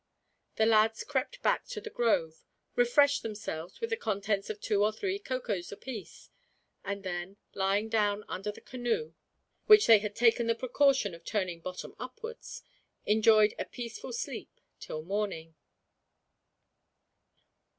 The lads crept back to the grove, refreshed themselves with the contents of two or three cocoas apiece, and then, lying down under the canoe, which they had taken the precaution of turning bottom upwards, enjoyed a peaceful sleep till morning.